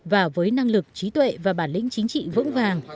và với năng lực trí tuệ và bản lĩnh chính trị vững vàng